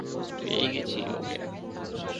পেয়ে গেছি ওকে!